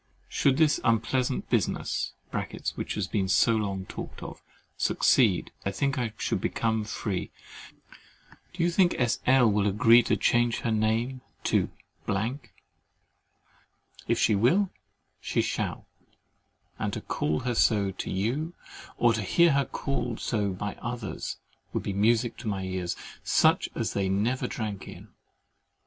Should this unpleasant business (which has been so long talked of) succeed, and I should become free, do you think S. L. will agree to change her name to ——? If she WILL, she SHALL; and to call her so to you, or to hear her called so by others, would be music to my ears, such as they never drank in.